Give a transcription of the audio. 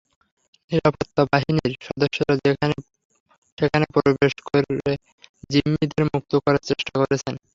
নিরাপত্তা বাহিনীর সদস্যরা সেখানে প্রবেশ করে জিম্মিদের মুক্ত করার চেষ্টা করছেন।